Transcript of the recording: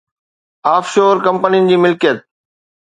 of شور ڪمپنين جي ملڪيت